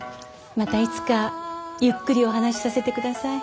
またいつかゆっくりお話しさせてください。